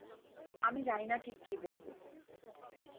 আমি জানিনা ঠিক কি বলবো।